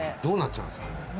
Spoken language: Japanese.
どうなっちゃうんですかね。